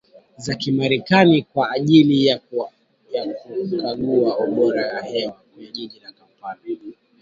za kimerekani kwa ajili ya kukagua ubora wa hewa kwenye jiji la Kampala